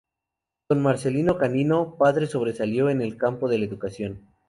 Don Marcelino Canino, padre sobresalió en el campo de la educación.